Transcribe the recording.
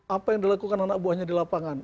apa yang dilakukan anak buahnya di lapangan